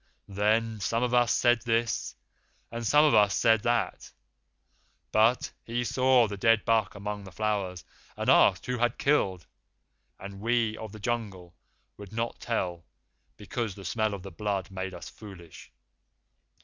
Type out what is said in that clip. Then some of us said this and some of us said that, but he saw the dead buck among the flowers, and asked who had killed, and we of the Jungle would not tell because the smell of the blood made us foolish.